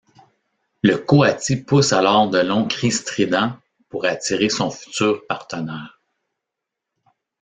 Le coati pousse alors de longs cris stridents pour attirer son futur partenaire.